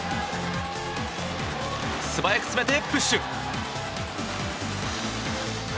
素早く詰めてプッシュ。